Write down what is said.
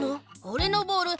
おれのボール